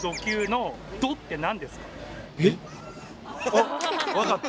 あ！分かった。